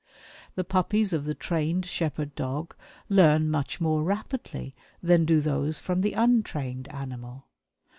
The puppies of the trained shepherd dog learn much more rapidly than do those from the untrained animal.